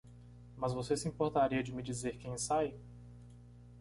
Mas você se importaria de me dizer quem sai?